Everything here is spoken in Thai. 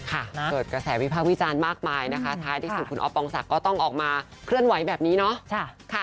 เกิดกระแสวิพากษ์วิจารณ์มากมายนะคะท้ายที่สุดคุณอ๊อปปองศักดิ์ก็ต้องออกมาเคลื่อนไหวแบบนี้เนาะ